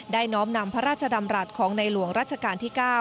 น้อมนำพระราชดำรัฐของในหลวงรัชกาลที่๙